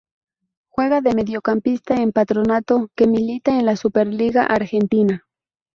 Juega de mediocampista en Patronato que milita en la Superliga Argentina.